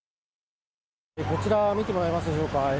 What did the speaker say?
こちら見てもらえますでしょうか。